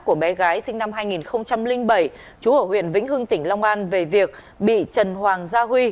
của bé gái sinh năm hai nghìn bảy chú ở huyện vĩnh hưng tỉnh long an về việc bị trần hoàng gia huy